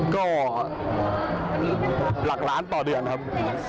ก็หลักล้านต่อเดือนครับ